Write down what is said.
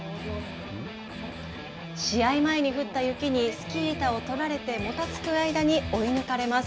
試合前に降った雪にスキー板をとられてもたつく間に追い抜かれます。